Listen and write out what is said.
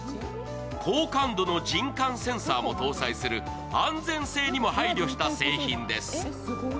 好感度の人感センサーも搭載する安全性にも配慮した製品です。